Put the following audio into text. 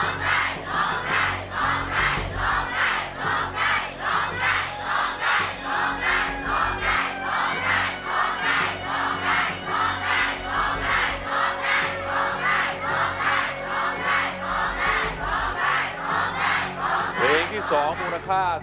โทษใจโทษใจโทษใจโทษใจโทษใจโทษใจ